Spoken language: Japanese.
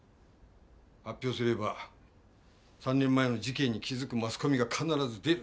発表すれば３年前の事件に気づくマスコミが必ず出る。